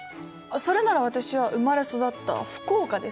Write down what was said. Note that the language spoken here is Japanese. それなら私は生まれ育った福岡ですかね。